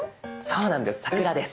そうなんです桜です。